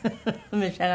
召し上がるの？